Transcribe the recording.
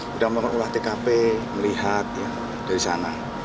sudah mengelola tkp melihat dari sana